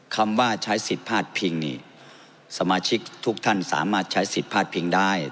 คำว่าใช้สิทธิ์พาดพิงนี่สมาชิกทุกท่านสามารถใช้สิทธิ์พาดพิงได้